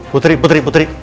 putri putri putri